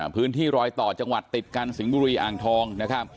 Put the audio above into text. พื้นที่รอยต่อจังหวัดติดกันสิงห์บุรีอ่างทองนะครับ